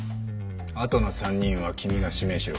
あとの３人は君が指名しろ。